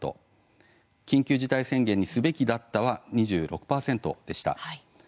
「緊急事態宣言にすべきだった」は２６％でした。